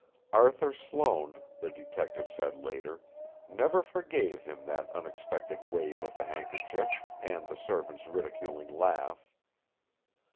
Arthur Sloane, the detective said later, never forgave him that unexpected wave of the handkerchief and the servant's ridiculing laugh.